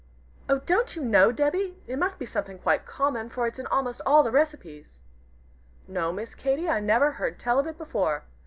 "Oh, don't you know, Debby? It must be something quite common, for it's in almost all the recipes." "No, Miss Katy, I never heard tell of it before.